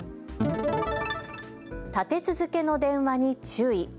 立て続けの電話に注意。